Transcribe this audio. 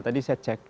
tadi saya cek